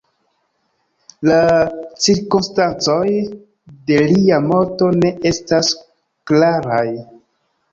La cirkonstancoj de lia morto ne estas klaraj.